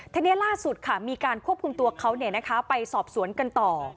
ทีนี้ล่าสุดค่ะมีการควบคุมตัวเขาไปสอบสวนกันต่อ